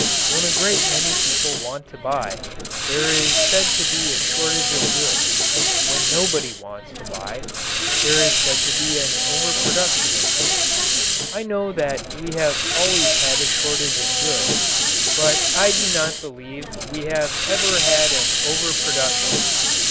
When a great many people want to buy, there is said to be a shortage of goods. When nobody wants to buy, there is said to be an overproduction of goods. I know that we have always had a shortage of goods, but I do not believe we have ever had an overproduction.